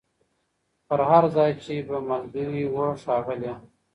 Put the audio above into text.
پر هر ځای چي به ملګري وه ښاغلي